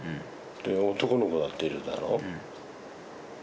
で男の子だっているだろ。